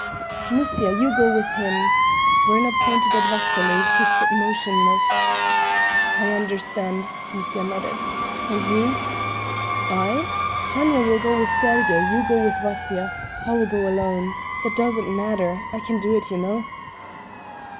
"Musya, you go with him." Werner pointed at Vasily, who stood motionless. "I understand," Musya nodded. "And you?" "I? Tanya will go with Sergey, you go with Vasya.... I will go alone. That doesn't matter, I can do it, you know."